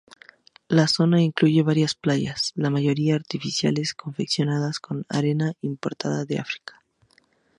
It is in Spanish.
La zona incluye varias playas, la mayoría artificiales, confeccionadas con arena importada de África.